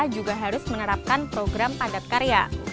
juga harus menerapkan program padat karya